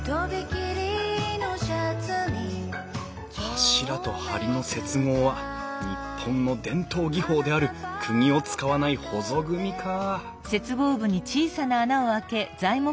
柱と梁の接合は日本の伝統技法であるくぎを使わないほぞ組みか